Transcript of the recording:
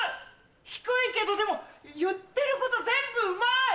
低いけどでも言ってること全部うまい！